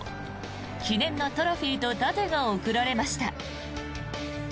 記念のトロフィーと盾が贈られました。